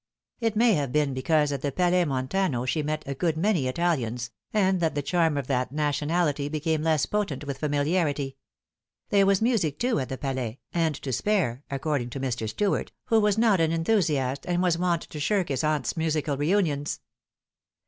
It may have been because at the Palais Montano she ruet t* good many Italians, and that the charm of that nationality became less potent with familiarity. There was music, too, at the Palais, and to spare, according to Mr. Stuart, who was not an enthusiast, and was wont to shirk his aunt's musical reunions.